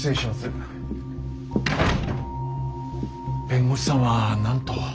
弁護士さんは何と？